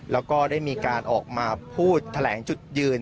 แล้วก็ได้มีการออกมาพูดแถลงจุดยืน